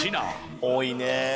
多いね。